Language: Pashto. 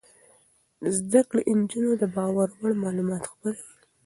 زده کړې نجونې د باور وړ معلومات خپروي.